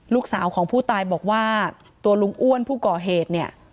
ลูกสาวของผู้ตายบอกว่าตัวลุงอ้วนผู้ก่อเหตุเนี่ย